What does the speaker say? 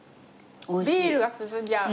ビールが進んじゃう。